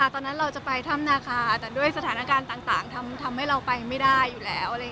ตอนนั้นเราจะไปถ้ำนาคาแต่ด้วยสถานการณ์ต่างทำให้เราไปไม่ได้อยู่แล้ว